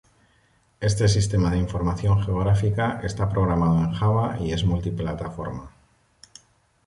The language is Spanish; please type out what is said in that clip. Este Sistema de Información Geográfica está programado en Java y es multiplataforma.